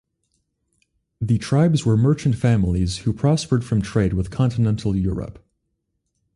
The Tribes were merchant families who prospered from trade with continental Europe.